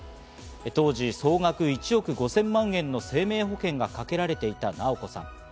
当時、総額１億５０００万円の生命保険がかけられていた直子さん。